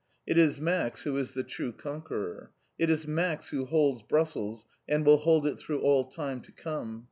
It is Max who is the true conqueror. It is Max who holds Brussels, and will hold it through all time to come.